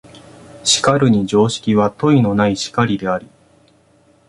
しかるに常識は問いのない然りであり、